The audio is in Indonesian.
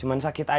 uang semua banyak